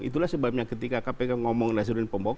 itulah sebabnya ketika kpk ngomong najarudin pembohong